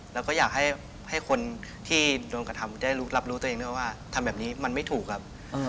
แล้วก็อยากให้คนที่โดนกระทำได้รับรู้ตัวเองด้วยว่าทำแบบนี้มันไม่ถูกครับ